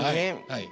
はい。